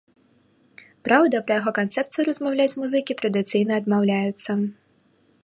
Праўда, пра яго канцэпцыю размаўляць музыкі традыцыйна адмаўляюцца.